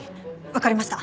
わかりました。